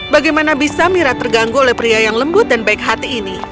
bagaimana bisa mira terganggu oleh pria yang lembut dan baik hati ini